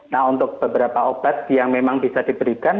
nah untuk beberapa obat yang memang bisa diberikan